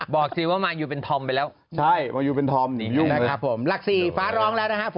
บอกสิว่ามายูเป็นธอมไปแล้ว